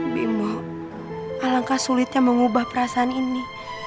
bimo alangkah sulitnya mengubah perasaan ini